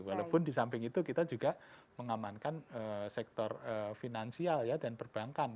walaupun di samping itu kita juga mengamankan sektor finansial ya dan perbankan